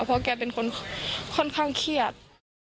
เพราะแกเป็นคนค่อนข้างเครียด